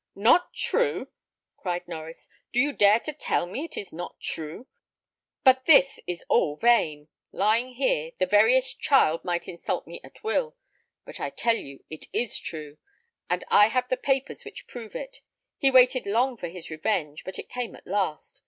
"Not true!" cried Norries; "do you dare tell me it is not true? But this is all vain lying here, the veriest child might insult me at will. But I tell you it is true, and I have the papers which prove it. He waited long for his revenge, but it came at last.